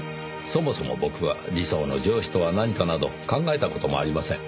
そもそも僕は理想の上司とは何かなど考えた事もありません。